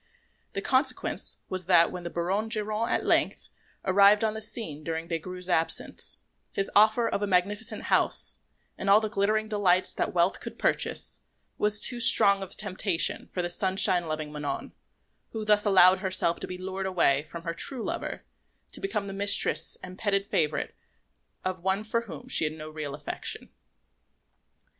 The consequence was that when the Baron Geronte at length arrived on the scene during Des Grieux's absence, his offer of a magnificent house, and all the glittering delights that wealth could purchase, was too strong a temptation for the sunshine loving Manon, who thus allowed herself to be lured away from her true lover to become the mistress and petted favourite of one for whom she had no real affection.